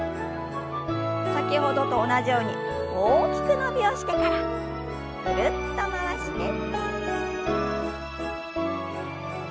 先ほどと同じように大きく伸びをしてからぐるっと回して。